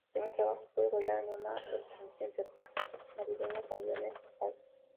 Su primer trabajo fue bailar en una representación teatral navideña con Lionel Blair.